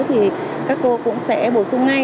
thì các cô cũng sẽ bổ sung ngay